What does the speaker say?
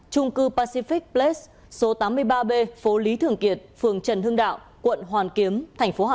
trung cư pacific ples số tám mươi ba b phố lý thường kiệt phường trần hưng đạo quận hoàn kiếm thành phố hà nội